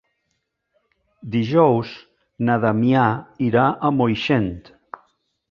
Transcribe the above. Dijous na Damià irà a Moixent.